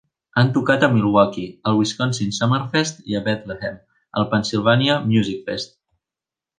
Han tocat a Milwaukee, al Wisconsin's Summerfest i a Bethlehem, al Pennsilvània Musikfest.